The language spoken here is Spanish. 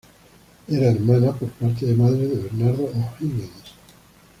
Era hermana, por parte de madre, de Bernardo O'Higgins.